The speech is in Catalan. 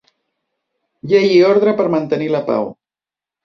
Llei i ordre per mantenir la pau.